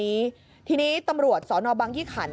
๕๐มิลลิเมตรก็ประมาณ๕เซนตาล